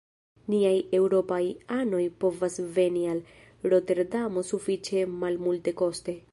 Niaj eŭropaj anoj povas veni al Roterdamo sufiĉe malmultekoste.